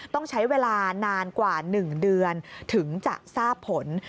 ต้องใช้เวลานานกว่า๑เดือนถึงจะทราบผล